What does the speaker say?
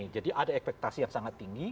jadi ada ekspektasi yang sangat tinggi